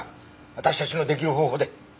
私たちの出来る方法で。